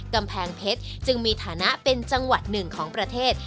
กำแพงเพชรจึงมีฐานะเป็นจังหวัดหนึ่งของประเทศ